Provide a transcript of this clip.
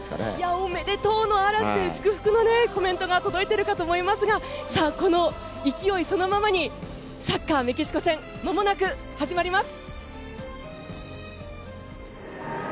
おめでとうの嵐で祝福のコメントが届いているかと思いますがこの勢いそのままにサッカーメキシコ戦まもなく始まります。